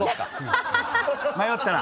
迷ったら。